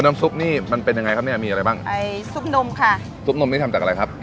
ซุปนี่มันเป็นยังไงครับเนี้ยมีอะไรบ้างไอ้ซุปนมค่ะซุปนมนี่ทำจากอะไรครับ